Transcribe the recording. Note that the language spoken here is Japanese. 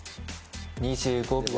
２５秒。